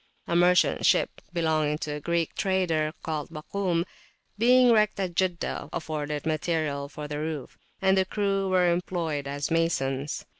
A merchant ship belonging to a Greek trader, called Bakum ([Arabic]), being wrecked at Jeddah, afforded material for the roof, and the crew were employed as masons.